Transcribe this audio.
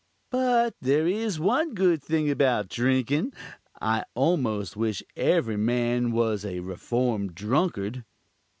But there is one good thing about drinkin'. I almost wish every man was a reformed drunkard.